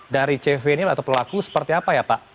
dari cv ini atau pelaku seperti apa ya pak